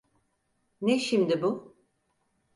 Ne şimdi bu?